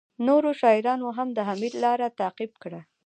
نورو شاعرانو هم د حمید لاره تعقیب کړه